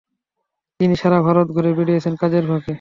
তিনি সারা ভারত ঘুরে বেড়িয়েছেন কাজের ফাঁকে।